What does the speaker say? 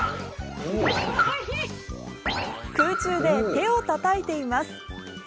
空中で手をたたいています。